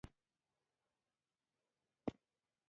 جګړه هر څه له منځه وړي